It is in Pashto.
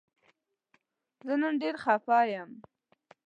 زه نن ډیر خفه یم